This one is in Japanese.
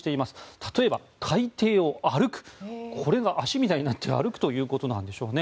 例えば海底を歩くこれが足みたいになって歩くということなんでしょうね。